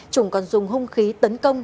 trùng còn dùng hung khí tấn công